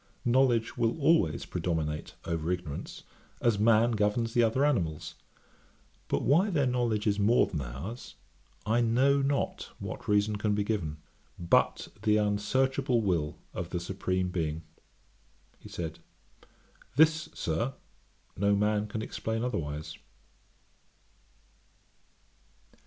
Knowledge will always predominate over ignorance, as man governs the other animals. But why their knowledge is more than ours, I know not what reason can be given, but the unsearchable will of the Supreme Being.' He said, 'This, Sir, no man can explain otherwise.'